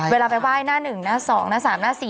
เวลาไปไหว้หน้า๑หน้า๒นะ๓หน้า๔